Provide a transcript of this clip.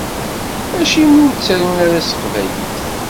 Acimi ur ttarun ara s teqbaylit?